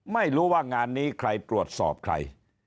ไม่รู้ว่างานนี้ใครตรวจสอบใคร